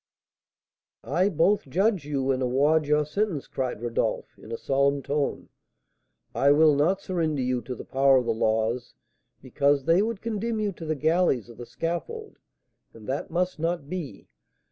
"I both judge you and award your sentence," cried Rodolph, in a solemn tone. "I will not surrender you to the power of the laws, because they would condemn you to the galleys or the scaffold; and that must not be.